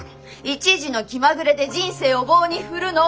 一時の気まぐれで人生を棒に振るの？